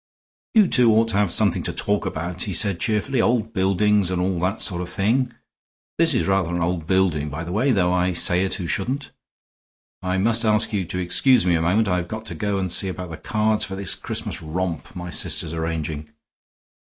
"You two ought to have something to talk about," he said, cheerfully. "Old buildings and all that sort of thing; this is rather an old building, by the way, though I say it who shouldn't. I must ask you to excuse me a moment; I've got to go and see about the cards for this Christmas romp my sister's arranging.